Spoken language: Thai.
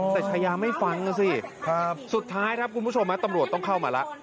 แต่ชายาไม่ฟังน่ะสิสุดท้ายครับตำรวจครึ่งเข้ามาแล้ว